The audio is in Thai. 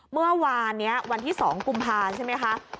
เมื่อวานนี้วันที่๒กุมภาใช่ไหมคะ